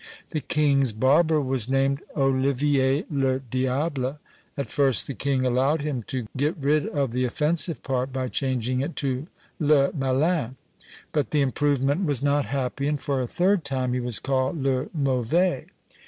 The king's barber was named Olivier le Diable. At first the king allowed him to got rid of the offensive part by changing it to Le Malin; but the improvement was not happy, and for a third time he was called Le Mauvais.